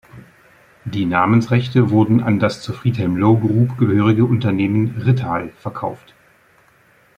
Die Namensrechte wurden an das zur Friedhelm Loh Group gehörige Unternehmen Rittal verkauft.